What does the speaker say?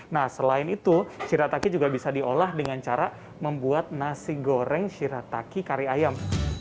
nah selain itu shirataki juga bisa diolah dengan cara membuat nasi goreng shirataki kari ayam